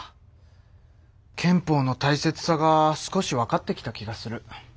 憲法のたいせつさが少しわかってきた気がする。